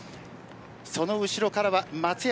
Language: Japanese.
その後ろからは松山